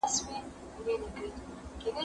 مال دي بزگر ته پرېږده، پر خداى ئې وسپاره.